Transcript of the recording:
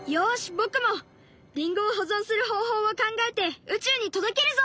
僕もりんごを保存する方法を考えて宇宙に届けるぞ！